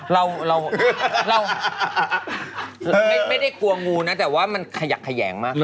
เราเราไม่ได้กลัวงูนะแต่ว่ามันขยักแขยงมากเลย